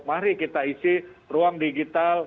mari kita isi ruang digital